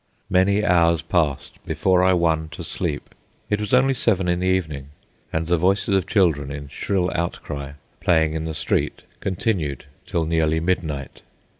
Many hours passed before I won to sleep. It was only seven in the evening, and the voices of children, in shrill outcry, playing in the street, continued till nearly midnight.